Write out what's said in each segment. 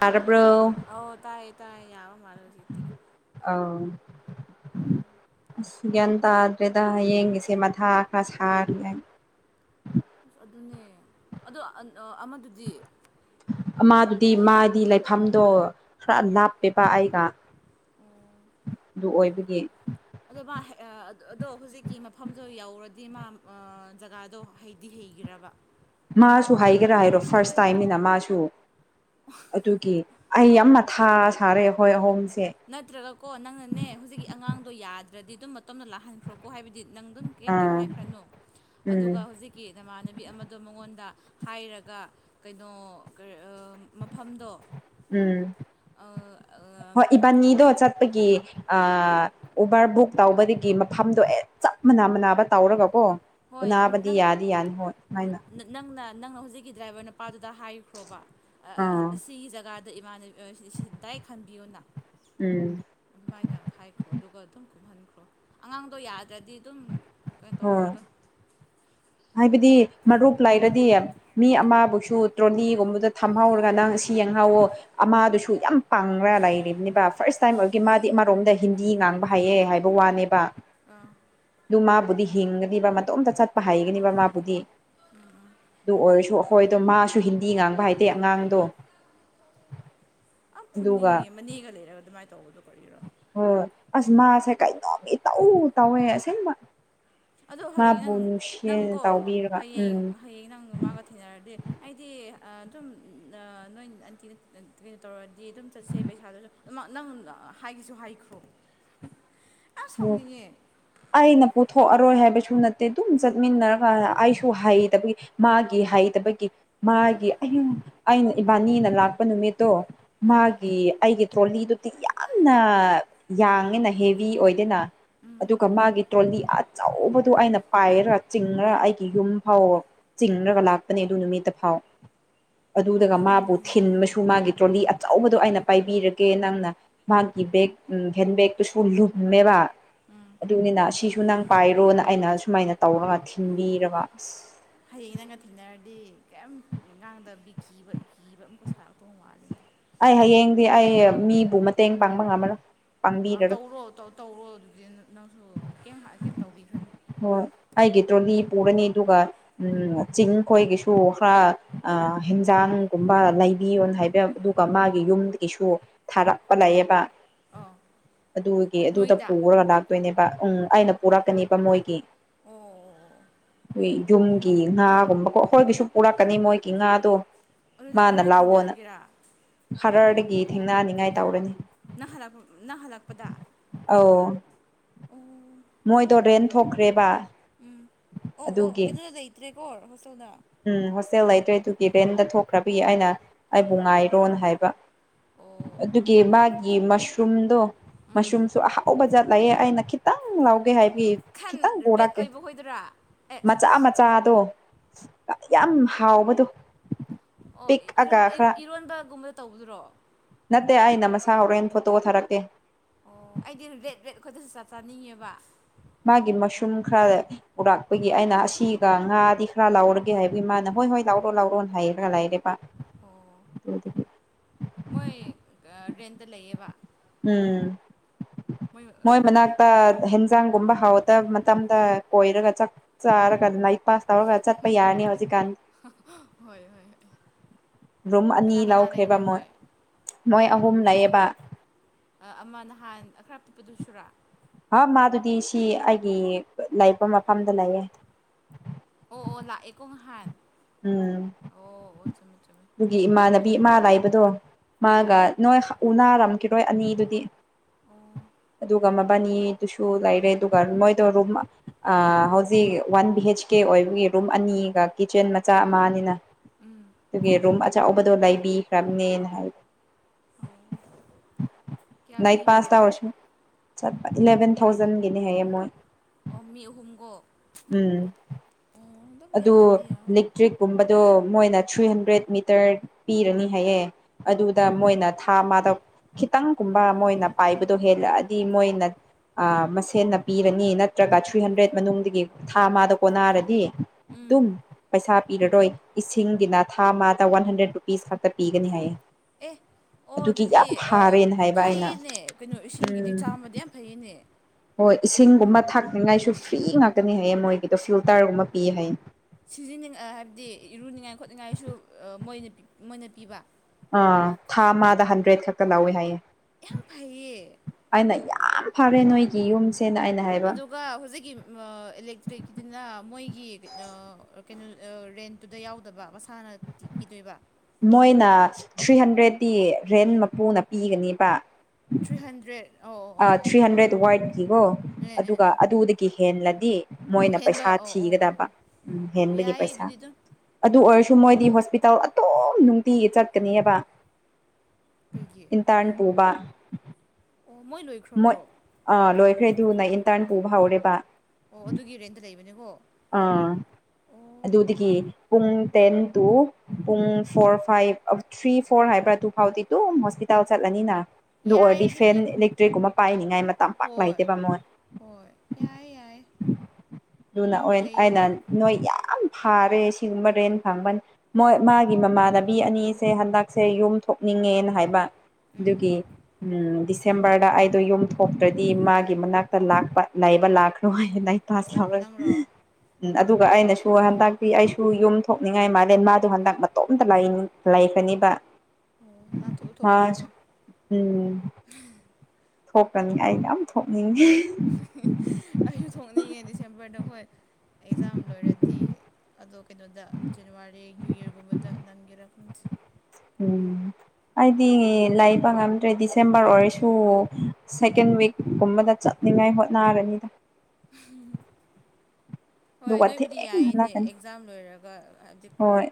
ꯇꯥꯔꯕ꯭ꯔꯣ ꯑ ꯇꯥꯏꯌꯦ ꯇꯥꯥꯏ ꯌꯥꯕ ꯃꯥꯖꯤꯗꯤ ꯑꯧ ꯎꯝ ꯑꯁ ꯒ꯭ꯌꯥꯟ ꯇꯥꯗ꯭ꯔꯦꯗ ꯍꯌꯦꯡꯒꯤꯁꯦ ꯃꯊꯥ ꯈꯔ ꯁꯥꯔꯦ ꯑꯁ ꯑꯗꯨꯅꯦ ꯑꯗ ꯃꯥꯗꯨꯗꯤ ꯃꯥꯗꯤ ꯂꯩꯐꯝꯗꯣ ꯂꯥꯕ ꯄꯦꯕꯑꯒ ꯑꯗꯨ ꯑꯣꯏꯕꯒꯤ ꯑꯗꯣ ꯃꯥ ꯑꯗꯨꯗꯤ ꯃꯥ ꯖꯒꯥꯗꯣ ꯍꯩꯗꯤ ꯍꯩꯒꯔꯕ ꯃꯥꯁꯨ ꯍꯥꯏꯒꯦꯔꯥ ꯍꯥꯏꯔꯣ ꯐꯥꯔꯁ ꯇꯥꯏꯝꯅꯤꯅ ꯃꯥꯁꯨ ꯑꯗꯨꯒꯤ ꯑꯩ ꯌꯥꯝ ꯃꯊꯥ ꯁꯥꯔꯦ ꯑꯩꯈꯣꯏ ꯑꯍꯣꯡꯁꯦ ꯅꯠꯇ꯭ꯔꯒꯀꯣ ꯅꯪꯅꯅꯦ ꯍꯧꯖꯤꯛꯀꯤ ꯑꯉꯥꯡꯗꯣ ꯌꯥꯗ꯭ꯔꯗꯤ ꯑꯗꯨꯝ ꯇꯣꯝꯅ ꯂꯥꯛꯍꯟꯈ꯭ꯔꯣꯀꯣ ꯍꯥꯏꯕꯗꯤ ꯅꯪ ꯑꯗꯨꯝ ꯀꯩꯞ ꯀꯩꯝ ꯑꯥ ꯍꯥꯏꯈ꯭ꯔꯅꯣ ꯎꯝ ꯑꯗꯨꯒ ꯍꯧꯖꯤꯛꯀꯤ ꯅꯃꯥꯟꯅꯕꯤ ꯑꯃꯗꯣ ꯃꯉꯣꯟꯗ ꯍꯥꯏꯔꯒ ꯀꯩꯅꯣ ꯃꯐꯝꯗꯣ ꯕꯅꯤꯗꯣ ꯆꯠꯄꯒꯤ ꯑ ꯎꯕꯔ ꯕꯨꯛ ꯇꯧꯕꯗꯒꯤ ꯃꯐꯝꯗꯣ ꯑꯦ ꯆꯞ ꯃꯥꯟ ꯎꯅꯥꯕ ꯇꯧꯔꯒꯀꯣ ꯍꯣꯏ ꯎꯅꯥꯕꯗꯤ ꯅꯪ ꯌꯥꯗꯤ ꯌꯥꯅꯤ ꯍꯣꯏ ꯁꯨꯃꯥꯏꯅ ꯅꯪꯅ ꯅꯪꯅ ꯍꯧꯖꯤꯛꯀꯤ ꯗ꯭ꯔꯥꯏꯕꯔ ꯅꯨꯄꯥꯗꯨꯗ ꯍꯥꯏꯈ꯭ꯔꯣꯕ ꯑꯥ ꯑꯁꯤꯒꯤ ꯖꯒꯥꯗ ꯏꯃꯥꯅꯕꯤ ꯁꯤ ꯗꯥꯏ ꯈꯟꯕꯤꯌꯣꯅ ꯎꯝ ꯑꯗꯨꯃꯥꯏꯅ ꯍꯥꯏꯥꯏꯈ꯭ꯔꯣ ꯑꯗꯨꯒ ꯑꯗꯨꯝ ꯀꯨꯝꯍꯟ ꯭ꯔꯣ ꯑꯉꯥꯡꯗꯣ ꯌꯥꯗ꯭ꯔꯗꯤ ꯑꯗꯨꯝ ꯀꯩꯅꯣ ꯍꯣꯏ ꯇꯧꯈ꯭ꯔꯣꯗꯣ ꯍꯥꯏꯕꯗꯤ ꯃꯔꯨꯞ ꯂꯩꯥꯏꯔꯗꯤ ꯃꯤ ꯑꯃꯕꯨꯁꯨ ꯇ꯭ꯔꯣꯂꯤꯒꯨꯝꯕꯗ ꯊꯝꯍꯧꯔꯒ ꯅꯪ ꯁꯤ ꯑꯃꯗꯨꯁꯨ ꯌꯥꯝ ꯄꯥꯡꯅ ꯂꯩꯔꯤꯕꯅꯤꯕ ꯐꯥꯔꯁ ꯇꯥꯏꯝ ꯑꯣꯏꯕꯒꯤ ꯃꯥꯗꯤ ꯑꯃꯥꯔꯣꯝꯗ ꯍꯤꯟꯗꯤ ꯉꯥꯡꯕ ꯍꯥꯏ ꯍꯥꯏꯩꯌꯦ ꯍꯥꯏꯕ ꯋꯥꯅꯦꯕ ꯑꯥ ꯑꯗꯨ ꯃꯥꯕꯨꯗꯤ ꯍꯤꯡꯒꯅꯤꯕ ꯃꯇꯣꯝꯇ ꯆꯠꯄ ꯍꯩꯒꯅꯤꯕ ꯃꯥꯕꯨꯗꯤ ꯑꯗꯨ ꯑꯣꯏꯔꯁꯨ ꯑꯩꯈꯣꯏꯗꯣ ꯃꯥꯁꯨ ꯍꯤꯟꯗꯤ ꯉꯥꯡꯕ ꯍꯥꯏꯇꯦ ꯑꯉꯥꯡꯗꯣ ꯑ ꯑꯗꯨꯒ ꯐꯨꯅꯤꯡꯉꯦ ꯃꯅꯦꯒ ꯂꯩꯔꯒ ꯑꯗꯨꯃꯥꯏꯅ ꯇꯧꯕꯗꯣ ꯀꯔꯤꯔꯣ ꯍꯣꯏ ꯑꯁ ꯃꯥꯁꯦ ꯀꯩꯅꯣ ꯃꯤ ꯇꯧꯎ ꯇꯧꯋꯦ ꯑꯁꯦꯡ ꯃꯥ ꯑꯗꯣ ꯍꯌꯦꯡ ꯅꯪ ꯅꯪꯀꯣ ꯇꯧꯕꯤꯔꯒ ꯍꯌꯦꯡ ꯎꯝ ꯍꯌꯦꯡ ꯅꯪ ꯃꯥꯒ ꯊꯦꯡꯅꯔꯗꯤ ꯑꯩꯗꯤ ꯑꯗꯨꯝ ꯅꯣꯏ ꯑꯟꯇꯤꯅ ꯀꯩꯅꯣ ꯇꯧꯔꯗꯤ ꯑꯗꯨꯝ ꯆꯠꯁꯦ ꯄꯩꯁꯥꯗꯨꯁꯨ ꯑꯗꯨꯝꯃꯛꯅꯝ ꯍꯥꯏꯁꯨ ꯍꯥꯏꯈ꯭ꯔꯣ ꯌꯥꯝ ꯑꯣ ꯁꯥꯎꯅꯤꯡꯉꯦ ꯑꯩꯅ ꯄꯨꯊꯣꯛꯑ ꯑꯔꯣꯏ ꯍꯥꯏꯕꯁꯨ ꯅꯠꯇꯦ ꯑꯗꯨꯝ ꯆꯠꯃꯤꯟꯅꯔꯒ ꯑꯩꯁꯨ ꯍꯩꯕꯒꯤ ꯃꯥꯒꯤ ꯍꯩꯇꯕꯒꯤ ꯃꯥ ꯃꯥꯒꯤ ꯑꯤꯡ ꯑꯩꯅ ꯏꯕꯥꯅꯤꯅ ꯂꯥꯛꯄ ꯅꯨꯃꯤꯠꯇꯣ ꯃꯥꯒꯤ ꯑꯩꯒꯤ ꯊ꯭ꯔꯣꯂꯤꯗꯨ ꯇꯤꯛ ꯌꯥꯝꯅ ꯌꯥꯡꯉꯦꯅ ꯍꯦꯚ ꯑꯣꯏꯗꯦꯅ ꯑꯗꯨꯒ ꯃꯥꯒꯤ ꯇ꯭ꯔꯣꯂꯤ ꯑꯆꯧꯕꯗꯨ ꯑꯩꯅ ꯄꯥꯏꯔ ꯆꯤꯡꯔ ꯑꯩꯒꯤ ꯌꯨꯝ ꯐꯥꯎ ꯆꯤꯡꯔꯒ ꯂꯥꯛꯄꯅꯦ ꯑꯗꯨ ꯅꯨꯃꯤꯠꯇ ꯐꯥꯎ [inaudible] ꯑꯗꯨꯗꯨꯒ ꯃꯥꯕꯨ ꯐꯨꯅꯤꯡꯉꯦ ꯊꯤꯟꯕꯁꯨ ꯃꯥꯒꯤ ꯇ꯭ꯔꯣꯂꯤ ꯑꯆꯧꯕꯗꯣ ꯑꯩꯅ ꯄꯥꯏꯕꯤꯔꯒꯦ ꯅꯪꯅ ꯃꯥꯒꯤ ꯕꯦꯛ ꯍꯦꯟꯕꯦꯛꯇꯨꯁꯨ ꯃꯕ ꯑꯗꯨꯅꯤꯅ ꯁꯤꯁꯨ ꯅꯪ ꯄꯥꯏꯔꯣꯅ ꯑꯩꯅ ꯁꯨꯃꯥꯏꯅ ꯇꯧꯔꯒ ꯊꯤꯟꯕꯤꯒ ꯑꯁ ꯍꯌꯦꯡ ꯅꯪꯒ ꯊꯦꯡꯅꯔꯗꯤ ꯀꯩꯝ ꯏ ꯉꯥꯡꯗ ꯕꯤ ꯀꯕ ꯏꯕ ꯑꯃꯨꯀ ꯁꯥꯔꯛꯇꯧ ꯋꯥꯠꯂꯤꯁꯦ ꯑꯩ ꯍꯌꯦꯡꯗꯤ ꯑꯩ ꯃꯤꯕꯨ ꯃꯇꯦꯡ ꯄꯥꯡꯕ ꯉꯝꯃꯔꯣꯏ ꯑ ꯄꯥꯡꯕꯤꯔꯔꯣꯏ ꯇꯧꯔꯣꯧ ꯇꯧꯔꯣ ꯑꯗꯨꯗꯤ ꯅ ꯅꯪꯁꯨ ꯀꯩꯝ ꯀꯩꯝ ꯇꯧꯕꯤꯈꯅꯨ ꯍꯣꯏ ꯑꯩꯒꯤ ꯇ꯭ꯔꯣꯂꯤ ꯄꯨꯔꯅꯤ ꯑꯗꯨꯒ ꯎ ꯆꯤꯡ ꯈꯣꯏꯒꯤꯁꯨ ꯈꯔ ꯍꯤꯟꯖꯥꯡꯒꯨꯝꯕ ꯂꯩ ꯄꯕꯤꯌꯣꯅ ꯍꯥꯏꯕ ꯑꯗꯨꯒ ꯃꯥꯒꯤ ꯌꯨꯝꯗꯒꯤꯁꯨ ꯊꯥꯔꯛꯄ ꯂꯩꯑꯦꯕ ꯑꯥ ꯑꯗꯨꯒꯤ ꯑꯗꯨꯗ ꯅꯣꯏꯗ ꯄꯨꯔꯒ ꯂꯥꯛꯇꯣꯏꯅꯦꯕ ꯎꯝ ꯑꯩꯅ ꯄꯨꯔꯛꯀꯅꯦꯕ ꯃꯣꯏꯒꯤ ꯑꯣ ꯌꯨꯝꯒꯤ ꯉꯥꯒꯨꯝꯕꯀꯣ ꯑꯩꯈꯣꯏꯒꯤꯁꯨ ꯄꯨꯔꯛꯀꯅꯤ ꯃꯣꯏꯒꯤ ꯉꯥꯗꯣ ꯑꯗꯨꯗꯤ ꯃꯥꯅ ꯀꯔꯝꯍꯥꯏꯅ ꯂꯥꯛꯑꯣꯅ ꯊꯦꯡꯅꯒꯦꯔꯥ ꯍꯔꯗꯒꯤ ꯊꯦꯡꯅꯅꯤꯡꯉꯥꯏ ꯇꯧꯔꯅꯤ ꯅꯥꯍꯜꯂꯄ ꯅꯥꯍꯜꯂꯛꯄꯗ ꯑꯧ ꯑꯣ ꯃꯣꯏꯗꯣ ꯔꯦꯟ ꯊꯣꯛꯈ꯭ꯔꯦꯕ ꯑꯗꯨꯒꯤ ꯀꯣ ꯍꯁꯅ ꯎꯝ ꯍꯣꯁꯇꯦꯜ ꯂꯩꯇ꯭ꯔꯦ ꯑꯗꯨꯒꯤ ꯔꯦꯟꯗ ꯊꯣꯛꯈ꯭ꯔꯕꯒꯤ ꯑꯩꯅ ꯑꯩꯕꯨ ꯉꯥꯏꯔꯣ ꯍꯥꯏꯕ ꯑꯣ ꯑꯗꯨꯒꯤ ꯃꯥꯒꯤ ꯃꯁꯔꯨꯝꯗꯣ ꯃꯁꯔꯨꯝꯁꯨ ꯑꯍꯥꯎꯕ ꯖꯠ ꯂꯑꯦ ꯑꯩꯅ ꯈꯤꯇꯪ ꯂꯧꯒꯦ ꯍꯥꯏꯕ ꯑꯩ ꯈꯟ ꯈꯤꯇꯪ ꯔꯦꯠ ꯄꯣꯔꯛꯀꯦ ꯑꯣꯏꯕ ꯈꯣꯏꯗꯨꯔꯥ ꯑꯦ ꯃꯆꯥ ꯃꯆꯥꯗꯣ ꯌꯥꯝ ꯍꯥꯎꯕꯗꯣ ꯑꯣ ꯄꯤꯛꯑꯒ ꯈꯔ ꯏꯔꯣꯟꯕꯒꯨꯝꯕ ꯇꯧꯗ꯭ꯔꯣ ꯑꯁ ꯍꯣꯔꯦꯟ ꯐꯣ ꯊꯥꯔꯀꯦ ꯑꯣ ꯑꯩꯗꯤ ꯔꯕꯦꯠ ꯕꯦꯠ ꯑꯩꯈꯣꯏꯗꯁꯨ ꯆꯥ ꯆꯥꯅꯤꯡꯉꯦꯕ ꯃꯥꯒꯤ ꯃꯁꯨꯝ ꯈꯔ ꯎꯔꯥꯛꯄꯒꯤ ꯑꯩꯅ ꯑꯁꯤꯒ ꯉꯥꯗꯤ ꯈꯔ ꯂꯥꯎꯔꯒꯦ ꯍꯥꯏꯕꯒꯤ ꯃꯥꯅ ꯍꯣꯏ ꯍꯣꯏ ꯂꯥꯎꯔꯣ ꯂꯥꯎꯔꯣꯅ ꯍꯥꯏꯩꯔꯒ ꯂꯥꯏꯔꯦꯕ ꯑꯣ ꯃꯣꯏ ꯔꯦꯟꯇ ꯂꯩꯌꯦꯕ ꯎꯝ ꯃꯣꯏ ꯃꯅꯥꯛꯇ ꯍꯦꯟꯖꯥꯡꯒꯨꯝꯕ ꯍꯥꯎꯗꯕ ꯃꯇꯝꯗ ꯀꯣꯏꯔꯒ ꯆꯥꯛꯆꯔꯒꯅꯥ ꯄꯥꯁ ꯇꯧꯔꯒ ꯆꯠꯄ ꯌꯥꯔꯅꯤ ꯍꯧꯖꯤꯛꯀꯥꯟ ꯍꯣꯏ ꯍꯣꯏ ꯍꯣꯏ ꯔꯨꯝ ꯑꯅꯤ ꯀꯅꯥ ꯀꯅꯥ ꯂꯧꯈ꯭ꯔꯦꯕ ꯂꯩꯕ꯭ꯔꯥ ꯃꯣꯏ ꯃꯣꯏ ꯑꯍꯨꯝ ꯃꯤ ꯂꯩꯑꯕ ꯑꯃ ꯅꯍꯥꯟ ꯈꯔ ꯄꯤꯛꯄꯗꯨ ꯁꯨꯔꯥ ꯑ ꯃꯥꯗꯨꯗꯤ ꯁꯤ ꯑꯩꯒꯤ ꯂꯩꯕ ꯃꯐꯝꯗ ꯂꯩꯌꯦ ꯑꯣ ꯑꯣ ꯂꯥꯛꯑꯦꯀꯣꯍꯥꯟ ꯎꯝ ꯍꯣꯠ ꯁꯃ ꯑꯗꯨꯒꯤ ꯏꯃꯥꯟꯅꯕꯤ ꯏꯃꯥ ꯂꯥꯏꯕꯗꯣ ꯎꯝ ꯃꯥꯒ ꯅꯣꯏ ꯎ ꯅꯥꯔꯝꯈꯤꯔꯣꯏ ꯑꯅꯤꯗꯨꯗꯤ ꯑꯣ ꯑꯗꯨꯒ ꯃꯕꯥꯅꯤꯗꯨꯁꯨ ꯂꯩꯔꯦ ꯑꯗꯨꯒ ꯃꯣꯏꯗꯣ ꯔꯨꯝ ꯍꯧꯖꯤꯛ ꯋꯥꯟ ꯕꯤꯍ ꯑꯩꯩꯆ ꯀꯦ ꯑꯣꯏꯕꯒꯤ ꯔꯨꯝ ꯑꯅꯤꯒ ꯀꯤꯠꯆꯟ ꯃꯆꯥ ꯑꯃ ꯑꯅꯤꯅ ꯎꯝ ꯑꯗꯨꯒꯤ ꯔꯨꯝ ꯑꯆꯥꯎꯕꯗꯣ ꯂꯩꯕꯤꯈ꯭ꯔꯕꯅꯦꯅ ꯑꯣ ꯀꯌꯥ ꯍꯥꯏꯕ ꯄꯥꯁ ꯇ ꯄꯤꯕ꯭ꯔꯣꯀꯣ ꯑꯣꯁ ꯆꯠꯄ ꯏꯂꯚꯦꯟ ꯊꯥꯎꯖꯟꯒꯤꯅꯦ ꯍꯥꯏꯌꯦ ꯃꯣꯏ ꯑꯣ ꯃꯤ ꯑꯍꯨꯝꯒꯣ ꯎꯝ ꯑꯣ ꯑꯗꯨꯝ ꯑꯗꯨ ꯌꯥꯔꯗꯤ ꯌꯥꯔꯦ ꯅꯛꯇ꯭ꯔꯤꯛꯀꯨꯝꯕꯗꯣ ꯃꯣꯏꯅ ꯊ꯭ꯔꯤ ꯍꯟꯗ꯭ꯔꯦꯗ ꯃꯤꯇꯔ ꯄꯤꯔꯅꯤ ꯍꯥꯏꯌꯦ ꯑꯗꯨꯗ ꯃꯣꯏꯅ ꯊꯥ ꯑꯃꯗ ꯈꯤꯇꯪꯒꯨꯝꯕ ꯃꯣꯏꯅ ꯄꯥꯏꯕꯗꯣ ꯍꯦꯜꯂꯛꯑꯗꯤ ꯃꯣꯏꯅ ꯃꯁꯦꯟꯅ ꯄꯤꯔꯅꯤ ꯅꯠꯇ꯭ꯔꯒ ꯊ꯭ꯔꯤ ꯍꯟꯗ꯭ꯔꯦꯠ ꯃꯅꯨꯡꯗꯒꯤ ꯊꯥ ꯑꯃꯗ ꯀꯣꯟꯅꯔꯗꯤ ꯎꯝ ꯑꯗꯨꯝ ꯄꯩꯁꯥ ꯄꯤꯔꯔꯣꯏ ꯏꯁꯤꯡꯒꯤꯅ ꯊꯥ ꯃꯗ ꯋꯥꯟ ꯍꯟꯗ꯭ꯔꯦꯗ ꯔꯨꯄꯤꯁ ꯈꯛꯇ ꯄꯤꯒꯅꯤ ꯍꯥꯏꯌꯦ ꯑꯦ ꯑꯣ ꯑꯗꯨꯒꯤ ꯑꯗꯨꯗꯤ ꯌꯥꯝ ꯐꯥꯔꯦꯅ ꯍꯥꯏꯕ ꯑꯩꯅ ꯐꯩꯌꯦꯅꯦ ꯀꯩꯅꯣ ꯏꯁꯤꯡꯒꯤꯗꯤ ꯎꯝ ꯆꯥꯃꯗꯤ ꯌꯥꯝ ꯐꯩꯌꯦꯅꯦ ꯍꯣꯏ ꯏꯁꯤꯡꯒꯨꯝꯕ ꯊꯥꯛꯅꯤꯉꯥꯏꯁꯨ ꯐ꯭ꯔꯤ ꯉꯥꯛꯇꯅꯤ ꯍꯥꯏꯌꯦ ꯃꯣꯏꯒꯤꯗꯣ ꯐꯤꯜꯇꯔꯒꯨꯝꯕ ꯄꯤꯌꯦ ꯍꯥꯏꯌꯦ ꯁꯤꯖꯤꯅꯤꯡ ꯍꯥꯏꯕꯗꯤ ꯏꯔꯨꯅꯤꯡꯉꯥꯏ ꯈꯣꯠꯅꯤꯡꯉꯥꯏꯁꯨ ꯃꯣꯏꯅ ꯃꯣꯏꯅ ꯄꯤꯕ ꯑꯥ ꯊꯥ ꯑꯃꯗ ꯍꯟꯗ꯭ꯔꯦꯗ ꯈꯛꯇ ꯂꯧꯋꯦ ꯍꯥꯏꯌꯦꯦ ꯌꯥꯝ ꯐꯩꯌꯦ ꯌꯥꯝ ꯐꯔꯦ ꯅꯣꯏꯒꯤ ꯌꯨꯝꯁꯤꯁꯦ ꯑꯗꯨꯒ ꯍꯧꯖꯤꯛꯀꯤ ꯏꯂꯦꯛꯇ꯭ꯔꯤꯛꯀꯤꯅ ꯃꯣꯏꯒꯤ ꯀꯩꯅꯣ ꯔꯦꯟꯇꯨꯗ ꯌꯥꯎꯗꯕ ꯃꯁꯥꯅ ꯄꯤꯗꯣꯏꯕ ꯃꯣꯏꯅ ꯊ꯭ꯔꯤ ꯍꯟꯗ꯭ꯔꯦꯗꯤ ꯔꯦꯟ ꯃꯄꯨꯅ ꯄꯤꯒꯅꯦꯕ ꯊ꯭ꯔꯤ ꯍꯟꯗ꯭ꯔꯦꯠ ꯑꯧ ꯑꯧ ꯑꯧ ꯑꯧ ꯊ꯭ꯔꯤ ꯍꯟꯗ꯭ꯔꯦꯗ ꯋꯥꯏꯗꯀꯤꯀꯣ ꯑꯦ ꯑꯦ ꯑꯗꯨꯒ ꯑꯦ ꯑꯗꯨꯗꯒꯤ ꯍꯦꯜꯂꯗꯤ ꯑꯣ ꯃꯣꯏꯅ ꯍꯦꯟꯕ ꯄꯩꯁꯥ ꯑꯧ ꯑꯧ ꯑꯧ ꯊꯤꯒꯗꯕ ꯑꯧ ꯎ ꯑꯣ ꯍꯦꯟꯕꯒꯤ ꯌꯥꯏꯌꯦ ꯄꯩꯁꯥ ꯑꯗꯨꯗꯤ ꯑꯗꯨꯝ ꯑꯗꯨ ꯑꯣꯏꯔꯁꯨ ꯁꯨꯝ ꯃꯣꯏꯗꯤ ꯍꯣꯁꯄꯤꯇꯥꯜ ꯑꯇꯣꯝ ꯅꯨꯡꯇꯤꯒꯤ ꯆꯠꯀꯅꯦꯕ ꯀꯩꯒꯤ ꯏꯟꯇꯥꯟꯄꯨꯕ ꯑꯣ ꯃꯣꯏ ꯃꯣꯏ ꯂꯣꯏꯈ꯭ꯔꯕ꯭ꯔꯣ ꯑꯥ ꯂꯣꯏꯈ꯭ꯔꯦꯗꯨ ꯅꯪ ꯏꯟꯇꯔꯟ ꯄꯨꯕ ꯍꯧꯔꯦꯕ ꯑꯣ ꯑꯗꯨꯒꯤ ꯔꯦꯟꯇ ꯂꯩꯕꯅꯤꯀꯣ ꯑꯥ ꯑꯗꯨꯗꯤ ꯄꯨꯡ ꯇ ꯇ ꯄꯨꯡ ꯐꯣꯔ ꯐꯥꯏꯚ ꯊ꯭ꯔꯤ ꯐꯣꯔ ꯍꯥꯏꯕ꯭ꯔ ꯇ ꯐꯥꯎꯤ ꯇ ꯍꯣꯁꯄꯤꯇꯥ ꯆꯠꯂꯅꯤꯅ ꯑꯗꯨ ꯌꯥꯏꯌꯦ ꯑꯣꯏꯔꯗꯤ ꯐꯦꯟ ꯑꯗꯨꯗꯤ ꯏꯂꯦꯛꯇ꯭ꯔꯤꯛꯀꯨꯝꯕ ꯄꯥꯏꯅꯤꯡꯉꯥꯏ ꯃꯇꯝ ꯄꯥꯛ ꯍꯣꯏ ꯂꯩꯇꯦꯕ ꯃꯣꯏ ꯍꯣꯏ ꯌꯥꯏꯦ ꯌꯥꯏꯏꯦ ꯑꯗꯨꯅ ꯑꯩꯅ ꯅꯣꯏ ꯌꯥꯝ ꯐꯥꯔꯦ ꯁꯤꯒꯨꯝꯕ ꯔꯦꯟ ꯐꯪꯕ ꯃꯣꯏ ꯃꯥꯒꯤ ꯃꯃꯥꯟꯅꯕꯤ ꯑꯅꯤꯁꯦ ꯍꯟꯗꯛꯁꯦ ꯌꯨꯝ ꯊꯣꯛꯅꯤꯡꯉꯦꯅ ꯍꯥꯏꯕ ꯎꯝ ꯑꯗꯨꯒꯤ ꯗꯤꯁꯦꯝꯕꯔꯗ ꯑꯩꯗꯣ ꯌꯨꯝ ꯊꯣꯛꯇ꯭ꯔꯗꯤ ꯃꯥꯒꯤ ꯃꯅꯥꯛꯇ ꯂꯥꯛꯄ ꯂꯩꯕ ꯂꯥꯛꯈ꯭ꯔꯣꯏ ꯍ ꯑꯣ ꯇꯥꯁꯕꯔ ꯅꯪꯔꯣ ꯎꯝ ꯑꯗꯨꯒ ꯑꯩꯅꯁꯨ ꯍꯟꯗꯛꯇꯤ ꯑꯩꯁꯨ ꯌꯨꯝ ꯊꯣꯛꯅꯤꯡꯉꯥꯏ ꯃꯥꯂꯦ ꯃꯥꯗꯣ ꯍꯟꯗꯛ ꯃꯇꯣꯝꯇ ꯂꯥꯏꯌꯦꯡ ꯍꯥꯏꯥꯏ ꯐꯅꯤꯕ ꯑꯣ ꯅꯪꯊꯎ ꯊꯣꯛꯀꯅꯤꯀꯣ ꯊꯣꯛꯀꯅꯤ ꯑꯩꯅ ꯑꯝ ꯊꯣꯛꯅꯤꯡꯉꯦ ꯑꯩꯁꯨ ꯊꯣꯛꯅꯤꯡꯉꯦ ꯗꯤꯁꯦꯝꯕꯔꯗ ꯍꯈꯣꯏ ꯑꯦꯛꯖꯥꯝ ꯂꯣꯏꯔꯗꯤ ꯑꯗꯣ ꯀꯩꯅꯣꯗ ꯖꯅꯋꯥꯔꯤ ꯅ꯭ꯌꯨ ꯌꯔꯒꯨꯝꯕꯗ ꯅꯪꯒꯤꯔꯛ ꯎꯝ ꯎꯝ ꯑꯩꯗꯤ ꯂꯥꯏꯛꯕ ꯉꯝꯗ꯭ꯔꯦ ꯗꯤꯁꯦꯝꯕꯔ ꯑꯣꯏꯔꯁꯨ ꯁꯦꯀꯦꯟ ꯋꯤꯛꯀꯨꯝꯕꯗ ꯆꯠ ꯅꯤꯡꯉꯥꯏ ꯍꯣꯠꯅꯔꯅꯤꯗ ꯎꯝ ꯍꯣꯏ ꯑꯗꯨꯒ ꯅꯣꯏꯕꯨꯗꯤ ꯊꯦꯡꯅ ꯌꯥꯏꯌꯦꯅꯦ ꯍꯜꯂꯛꯀꯅꯤ ꯑꯦꯛꯖꯥꯝ ꯂꯣꯏꯔꯒ ꯍꯥꯏꯕꯗꯤ ꯍꯣꯏ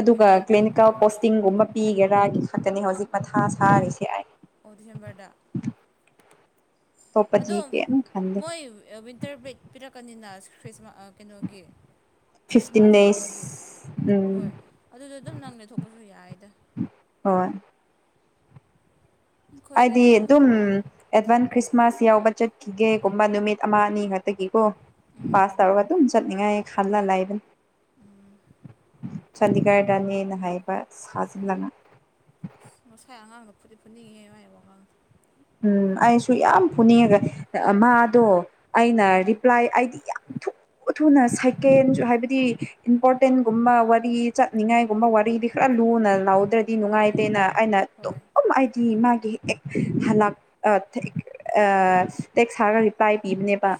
ꯑꯗꯨꯒ ꯋꯤꯟꯇꯔ ꯕ꯭ꯔꯦꯛ ꯀ꯭ꯂꯤꯅꯤꯀꯦꯜ ꯄꯤꯔꯦ ꯀꯣꯁꯇꯤꯡꯒꯨꯝꯕ ꯄꯤꯒꯦꯔꯥꯒꯤ ꯈꯛꯇꯅꯤ ꯍꯧꯖꯤꯛ ꯃꯊꯥ ꯁꯥꯔꯤꯁꯦ ꯑꯥꯏ ꯑꯣꯖꯝꯕꯦꯗ ꯑꯗꯣ ꯑꯇꯣꯞꯄꯗꯤ ꯀꯩꯝ ꯈꯟꯗꯦ ꯃꯣꯏ ꯋꯤꯟꯇꯔ ꯕ꯭ꯔꯦꯛ ꯄꯤꯔꯛꯀꯅꯤꯅꯔꯤ ꯀꯩꯅꯣꯒꯤ ꯐꯤꯐꯇꯤꯟ ꯗꯦꯁ ꯈ꯭ꯔꯤꯁꯃꯥꯁꯒꯨꯝꯕꯒꯤ ꯍꯣꯏ ꯑꯗꯨꯗꯣ ꯑꯗꯨꯝ ꯅꯪꯅꯦꯦ ꯊꯣꯛꯄꯁꯨ ꯌꯥꯏꯗ ꯍꯣꯏ ꯍꯥꯏꯗꯤ ꯑꯩꯈꯣꯏꯒꯤꯗꯤ ꯈꯪ ꯑꯗꯨꯝ ꯑꯦꯗꯋꯥꯟ ꯈ꯭ꯔꯤ ꯈ꯭ꯔꯤꯁꯃꯥꯁ ꯌꯥꯎꯕ ꯆꯠꯈꯤꯒꯦꯒꯨꯝꯕ ꯅꯨꯃꯤꯠ ꯑꯃ ꯑꯅꯤ ꯈꯛꯇꯒꯤꯀꯣ ꯎꯝ ꯄꯥꯁ ꯎꯝ ꯇꯧꯔꯒ ꯑꯗꯨꯝ ꯆꯠꯅꯤꯡꯉꯥꯏ ꯈꯜꯂꯅ ꯂꯑꯕ ꯎꯝ ꯆꯥꯟꯗꯤꯒꯔꯗꯅꯦꯅ ꯍꯥꯏꯕ ꯁꯥꯖꯤꯟꯂꯉꯒ ꯑꯁ ꯉꯁꯥꯏ ꯑꯉꯥꯡꯗ ꯐꯗꯤ ꯐꯨꯟꯅꯤꯡꯉꯦ ꯃꯥ ꯍꯥꯏꯕ ꯑꯉꯥꯡꯗꯣ ꯎꯝ ꯑꯩꯁꯨ ꯌꯥꯝ ꯐꯨꯅꯤꯡꯉꯒ ꯃꯥꯗꯣ ꯑꯩꯅ ꯎꯝ ꯔꯤꯄ꯭ꯂꯥꯏ ꯑꯩꯗꯤ ꯌꯥꯝ ꯊꯨ [inaudible] ꯊꯨꯅ ꯁꯥꯏꯀꯦꯟ ꯍꯥꯏꯕꯗꯤ ꯏꯝꯄꯣꯔꯇꯦꯟꯒꯨꯝꯕ ꯋꯥꯔꯤ ꯆꯠꯅꯤꯡꯉꯥꯏꯒꯨꯝꯕ ꯋꯥꯔꯤꯗꯤ ꯈꯔ ꯂꯨ ꯂꯨꯅ ꯂꯥꯎꯗ꯭ꯔꯗꯤ ꯍꯣꯏ ꯅꯨꯡꯉꯥꯏꯇꯦꯅ ꯑꯩꯅ ꯍꯣꯏ ꯑꯗꯨꯝ ꯑꯩꯗꯤ ꯃꯥꯒꯤ ꯍꯂ ꯇꯦꯛꯁ ꯁꯥꯔꯒ ꯔꯤꯄ꯭ꯂꯥꯏ ꯄꯤꯕꯅꯦꯕ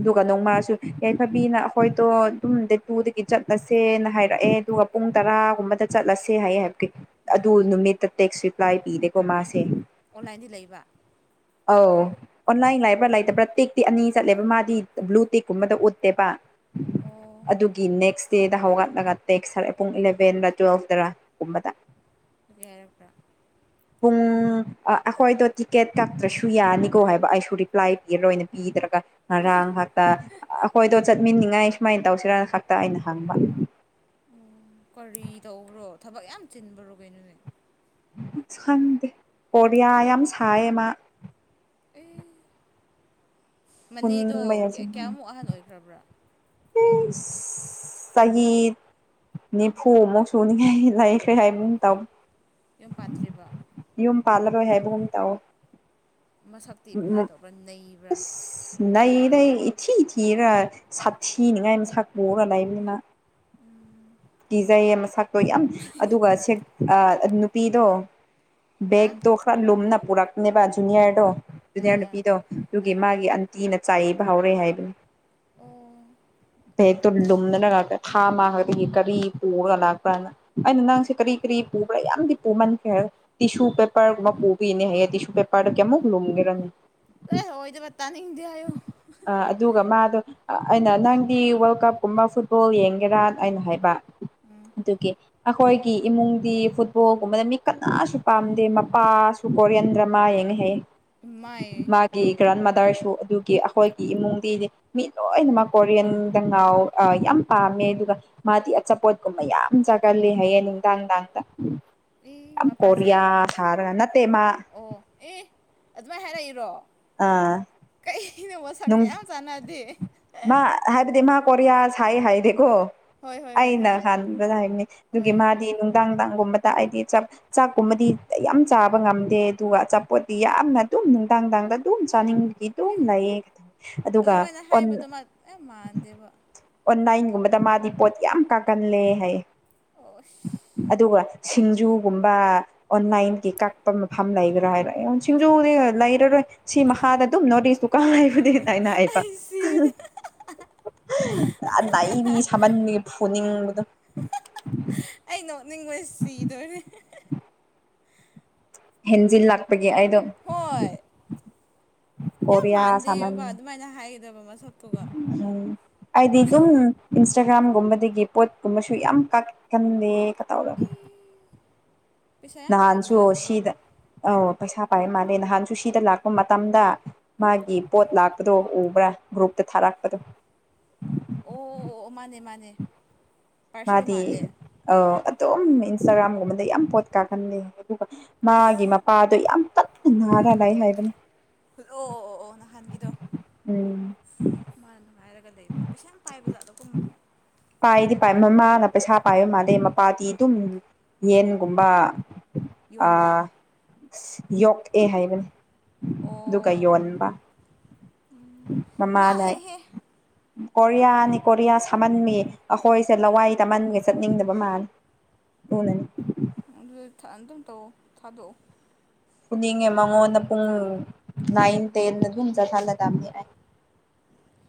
ꯑꯗꯨꯒ ꯎꯝ ꯅꯣꯡꯃꯁꯨ ꯌꯥꯏꯐꯕꯤꯅ ꯑꯩꯈꯣꯏꯗꯣ ꯑꯗꯨꯝ ꯗꯦ ꯇꯨꯗꯒꯤ ꯆꯠꯂꯁꯦꯅ ꯍꯥꯏꯔꯛꯑꯦ ꯑꯗꯨꯒ ꯄꯨꯡ ꯇꯔꯥꯒꯨꯝꯕꯗ ꯆꯠꯂ ꯆꯠꯂꯁꯦ ꯍꯥꯏꯌꯦ ꯍꯥꯏꯕꯦ ꯎꯝ ꯑꯗꯨ ꯅꯨꯃꯤꯠꯇ ꯇꯦꯛꯁ ꯔꯤꯄ꯭ꯂꯥꯏ ꯄꯤꯗꯦꯀꯣ ꯃꯥꯁꯦ ꯑꯣꯟꯂꯥꯏꯟꯗꯤ ꯂꯩꯕ ꯑꯧ ꯑꯣꯟꯂꯥꯏꯟ ꯂꯕ꯭ꯔꯥ ꯂꯩꯇꯕ꯭ꯔꯥ ꯇꯦꯛꯇꯤ ꯑꯅꯤ ꯆꯠꯂꯦꯕ ꯃꯥꯗꯤ ꯕ꯭ꯂꯨ ꯇꯦꯛꯀꯨꯝꯕꯗ ꯎꯠꯇꯦꯕ ꯑꯣ ꯑꯗꯨꯒꯤ ꯅꯦꯛꯁ ꯗꯦꯗ ꯍꯧꯒꯠꯂꯒ ꯇꯦꯛꯁꯥ ꯄꯨꯡ ꯏꯂꯚꯦꯟꯗ ꯇꯨꯋꯦꯜꯐꯇꯔꯒꯨꯝꯕꯗ ꯀꯦꯔꯄ꯭ꯔꯥ ꯄꯨꯡ ꯑꯩꯈꯣꯏꯗ ꯇꯤꯀꯦꯠ ꯀꯛꯇ꯭ꯔꯁꯨ ꯌꯥꯅꯤꯀꯣ ꯍꯥꯏꯕ ꯑꯩꯁꯨ ꯔꯤꯄ꯭ꯂꯥꯏ ꯄꯤꯔ ꯂꯣꯏꯅ ꯄꯤꯗ꯭ꯔꯒ ꯉꯔꯥꯡ ꯍꯥꯛꯇ ꯑꯩꯈꯣꯏꯗꯣ ꯆꯠꯃꯤꯅꯤꯉꯥꯏ ꯁꯨꯃꯥꯏꯅ ꯇꯧꯁꯤꯔꯅ ꯈꯛꯇ ꯑꯩꯅ ꯍꯪꯕ ꯀꯔꯤ ꯇ꯭ꯔꯣ ꯊꯕꯛ ꯌꯥꯝ ꯆꯤꯟꯕ꯭ꯔꯣ ꯀꯩꯅꯣꯅꯦ ꯈꯪꯗꯦ ꯄꯔꯤꯌꯥ ꯌꯥꯝ ꯁꯥꯏꯌꯦꯃ ꯃꯅꯦꯗꯣ ꯐꯨꯅꯤꯡꯕ ꯀꯌꯥꯃꯨꯛ ꯑꯍꯟ ꯑꯣꯏꯈ꯭ꯔꯕ꯭ꯔꯥ ꯎ ꯁꯍꯤꯗ ꯅꯤꯐꯨ ꯑꯃꯨꯛ ꯁꯨꯅꯤꯡꯉꯥꯏ ꯂꯩꯈ꯭ꯔꯦ ꯍꯥꯏꯕ ꯇ ꯌꯨꯝ ꯄꯥꯟꯗ꯭ꯔꯤꯕ ꯍꯥꯏ ꯨꯨꯝ ꯇꯑꯣ ꯃꯁꯛꯇꯤ ꯅ ꯀꯃꯥꯏꯅ ꯇꯧꯕ꯭ꯔꯥ ꯅꯩꯕ꯭ꯔꯥ ꯅ ꯏ ꯊꯤ ꯏ ꯊꯤꯔꯥ ꯁꯥ ꯊ ꯅꯨꯡꯉꯥꯏꯅ ꯁꯄꯔꯥ ꯂꯥꯏꯕꯅ ꯎꯝ ꯀꯤꯖꯩꯌꯦ ꯃꯁꯛꯇꯣ ꯌꯥꯝ ꯑꯗꯨꯒ ꯁꯦꯛ ꯅꯨꯄꯤꯗꯣ ꯍꯥ ꯕꯒ ꯗꯣ ꯍꯥꯥꯔ ꯂꯨꯨꯝꯅ ꯄꯔꯛꯅꯦꯕꯖꯨꯟꯌꯥꯔꯗꯣ ꯖꯨꯅꯤꯌꯥꯔ ꯑꯥ ꯑꯥ ꯅꯨꯄꯤꯗꯣ ꯑꯗꯨꯒꯤ ꯑꯥ ꯑꯥ ꯃꯥꯒꯤ ꯑꯟꯇꯤꯅ ꯆꯥꯏꯕ ꯍꯧꯥꯎꯔꯦ ꯍꯥꯏꯕꯅꯤ ꯑꯣ ꯐ ꯇ ꯑꯥ ꯂꯨꯅꯅ ꯊꯝ ꯀꯔꯤ ꯄꯨꯔꯒ ꯂꯥꯛꯄ꯭ꯔꯥꯅ ꯑꯩꯅ ꯅꯪꯁꯦ ꯀꯔꯤ ꯀꯔꯤ ꯄꯨꯕ꯭ꯔꯥ ꯌꯥꯝꯗꯤ ꯄꯨꯃꯟꯈ꯭ꯔ ꯍꯥꯏ ꯇꯤꯁꯨ ꯄꯦꯄꯥꯔ ꯀꯕꯤ ꯏꯅꯤ ꯍꯥꯏꯗꯤꯁꯨ ꯄꯦꯄꯥꯔ ꯀꯃꯣꯒ ꯂꯨꯒꯦꯔꯅꯤ ꯑ ꯍꯏꯗ ꯄꯠꯇꯅꯤꯗꯣ ꯑꯗꯨꯒ ꯃꯥꯗꯣ ꯑꯩꯅ ꯅꯪꯗꯤ ꯋꯥꯔꯜ ꯀꯞꯀꯨꯝꯕ ꯐꯨꯠꯕꯣꯜ ꯌꯦꯡꯒꯦꯔꯅ ꯑꯅ ꯍꯥꯏꯕ ꯎꯝ ꯑꯗꯨꯒꯤ ꯑꯩꯈꯣꯏꯒꯤ ꯏꯃꯨꯡꯗꯤ ꯐꯨꯠꯕꯣꯜꯒꯨꯝꯕꯗ ꯃꯤ ꯀꯅꯥꯁꯨ ꯄꯥꯝꯗꯦ ꯃꯄꯥꯁꯨ ꯀꯣꯔꯤꯌꯟ ꯗ꯭ꯔꯃꯥ ꯌꯦ ꯏꯃꯥꯏ ꯃꯥꯒꯤ ꯒ꯭ꯔꯥꯟ ꯃꯥꯗꯔ ꯑꯗꯨ ꯑꯗꯨꯒꯤ ꯑꯩꯈꯣꯏꯒꯤ ꯏꯃꯨꯡꯗꯤꯗꯤ ꯃꯤ ꯂꯣꯏꯅꯃꯛ ꯀꯣꯔꯤꯌꯟꯗ ꯉꯥꯎ ꯌꯥꯝ ꯄꯥꯝꯃꯦ ꯑꯗꯨꯒ ꯃꯥꯗꯤ ꯑꯆꯥꯄꯣꯠꯀꯨꯝꯕ ꯌꯥꯝ ꯆꯥꯒꯜꯂꯤ ꯍꯥꯏꯌꯦꯡ ꯅꯨꯡꯗꯥꯡꯗꯥꯡꯗ ꯑꯦ ꯌꯥꯝ ꯀꯣꯔꯤꯌꯥ ꯃꯄꯥꯁꯦ ꯁꯥꯔ ꯅꯠꯇꯦꯃ ꯑꯣ ꯑꯦ ꯑꯗꯨꯃꯥꯏꯅ ꯁꯤꯅ ꯃꯁꯛꯀꯌꯥꯝ ꯆꯥꯟꯅꯗꯦ ꯄꯔꯤꯌꯥ ꯍꯥꯏ ꯍꯥꯏ ꯗꯣ ꯍꯣꯏ ꯍꯣꯏ ꯍꯣꯏ ꯑꯩꯅ ꯈꯪꯉꯦ ꯍꯥꯟꯕ ꯍꯥꯏꯕꯅꯤ ꯍꯣꯏ ꯑꯗꯨꯒꯤ ꯍꯣꯏ ꯃꯥꯗꯤ ꯅꯨꯡꯗꯥꯡ ꯅꯨꯡꯗꯥꯡꯒꯨꯝꯕ ꯍꯥꯏꯗꯤ ꯆꯥꯛ ꯆꯥꯛꯀꯨꯝꯕꯗꯤ ꯌꯥꯝ ꯆꯥꯕ ꯉꯝꯗꯦ ꯑꯗꯨꯒ ꯑꯆꯥꯄꯣꯠꯇꯤ ꯌꯥꯝꯅ ꯑꯗꯨꯝ ꯅꯨꯡꯗꯥꯡꯗꯥꯡ ꯑꯗꯨꯝ ꯆꯥꯅꯤꯡꯒꯤ ꯑꯗꯨ ꯑꯦ ꯂꯩꯌꯦ ꯑꯗꯨꯒ ꯑꯗꯨꯃꯥꯏꯅ ꯑꯣꯟ ꯍꯥꯏꯕꯗꯨꯃ ꯌꯥꯝ ꯃꯥꯟꯗꯦꯕ ꯅꯥꯏꯟꯒꯨꯝꯕꯗ ꯃꯥꯗꯤ ꯄꯣꯠ ꯌꯥꯝ ꯀꯥꯒꯜꯂꯦ ꯍꯥꯏ ꯑꯣ ꯑꯁ ꯑꯗꯨꯒ ꯁꯤꯡꯖꯨꯒꯨꯝꯕ ꯑꯣꯟꯂꯥꯏꯟꯒꯤ ꯀꯛꯄ ꯃꯐꯝ ꯂꯩꯕ꯭ꯔꯥ ꯍꯥꯏꯔꯛꯑꯦ ꯁꯤꯡꯖꯨꯗꯤ ꯂꯩꯔꯔꯣꯏ ꯁꯤ ꯃꯈꯥꯗ ꯑꯗꯨꯝ ꯅꯣꯔꯠ ꯏꯁꯇꯨꯀ ꯍꯥꯏꯕꯅꯤꯅ ꯑꯩꯅ ꯍꯥꯏꯕ ꯑꯩ ꯁꯤꯔꯦꯗ ꯑꯗ ꯑꯩꯅꯤ ꯁꯥꯃꯟꯒꯤ ꯐꯨꯅꯤꯡꯕꯗ ꯑ ꯅꯣꯛꯅꯤꯡꯕ ꯁꯤꯗꯣꯔꯦ ꯍꯟꯖꯤꯜ ꯂꯥꯛꯄ ꯍꯣꯏ ꯌꯥꯝ ꯀꯣꯔꯤꯌꯥ ꯁꯥꯃꯟ ꯃꯥꯟꯗꯦꯕ ꯑꯗꯨꯃꯥꯏꯅ ꯍꯥꯏꯒꯗꯕ ꯃꯁꯛꯇꯨꯒ ꯎꯝ ꯑꯩꯗꯤ ꯑꯗꯨꯝ ꯏꯟꯁꯇꯥꯒ꯭ꯔꯥꯝꯒꯨꯝꯕꯗꯒꯤ ꯄꯣꯠꯀꯨꯝꯕꯁꯨ ꯌꯥꯝ ꯀꯀꯟꯗꯦ ꯀꯇꯧꯔ ꯑꯩ ꯄꯩꯁꯥ ꯌꯥꯝ ꯄꯥꯏꯕ ꯅꯍꯥꯟꯁꯨ ꯖꯥꯠꯂꯣꯕꯣ ꯁꯤꯗ ꯑ ꯄꯩꯁꯥ ꯄꯥꯏꯕ ꯃꯥꯜꯂꯦ ꯅꯍꯥꯟꯁꯨ ꯁꯤꯗ ꯂꯥꯛꯄ ꯃꯇꯝꯗ ꯎꯝ ꯃꯥꯒꯤ ꯄꯣꯠ ꯂꯥꯛꯄꯗꯣ ꯎꯕ꯭ꯔꯥ ꯒ꯭ꯔꯨꯞꯇ ꯊꯥꯔꯛꯄꯗꯣ ꯑꯣ ꯑꯣ ꯑꯣ ꯃꯥꯅꯦ ꯃꯥꯅꯦ ꯄꯥꯔꯁꯦꯜ ꯃꯥꯗꯤ ꯃꯥꯜꯂꯦ ꯑꯗꯨꯝ ꯏꯟꯁꯇꯥꯒ꯭ꯔꯥꯝꯒꯨꯝꯕꯗ ꯌꯥꯝ ꯄꯣꯠ ꯀꯥꯍꯂ ꯑꯗꯨꯒ ꯃꯥꯒꯤ ꯃꯄꯥꯗꯣ ꯌꯥꯝ ꯀꯟꯅ ꯅꯥꯔ ꯂꯩ ꯍꯥꯏꯕꯅꯤ ꯑꯣ ꯑꯣ ꯑꯣ ꯑꯣ ꯅꯍꯥꯟꯒꯤꯗꯣ ꯎꯝ ꯃꯥ ꯅꯨꯡꯉꯥꯏꯔꯒ ꯄꯥꯏꯗꯤ ꯄꯥꯏ ꯃꯃꯥꯅ ꯄꯩꯁꯥ ꯄꯥꯏ ꯑꯗꯩ ꯃꯄꯥꯇꯤ ꯑꯗꯨꯝ ꯌꯦꯟꯒꯨꯝꯕ ꯌꯣꯟꯕ ꯑꯥ ꯌꯣꯛꯑꯦ ꯍꯥꯏꯕꯅꯤ ꯑꯗꯨꯒ ꯌꯣꯟꯕ ꯉꯥꯛ ꯃꯃꯥꯅ ꯑꯦꯍꯦ ꯀꯣꯔꯤꯌꯥꯅꯤ ꯀꯣꯔꯤꯌꯥ ꯁꯥꯃꯟꯃꯤ ꯑꯩꯈꯣꯏꯁꯦ ꯂꯋꯥꯏ ꯇꯝꯃꯟꯒꯦ ꯆꯠꯅꯤꯡꯗꯕ ꯃꯥꯜꯅꯤ ꯍꯣꯂꯅꯤ ꯑꯗꯨꯗꯤ ꯑꯇꯪ ꯇꯧꯑꯣ ꯊꯥꯗꯣꯛꯑꯣ ꯄꯨꯅꯤꯡꯉꯦ ꯃꯉꯣꯟꯗ ꯄꯨꯡ ꯅꯥꯏꯟ ꯇꯦꯟ ꯑꯗꯨꯝ ꯆꯠꯊꯜꯂꯗꯕꯅꯤ ꯑꯩ [unintelligible]